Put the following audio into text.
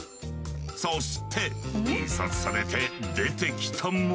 そして印刷されて出てきたものは。